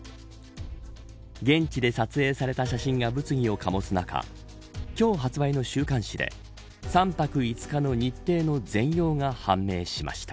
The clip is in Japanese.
現地で撮影された写真が物議をかもす中今日発売の週刊誌で３泊５日の日程の全容が判明しました。